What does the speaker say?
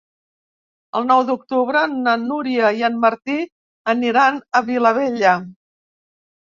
El nou d'octubre na Núria i en Martí aniran a la Vilavella.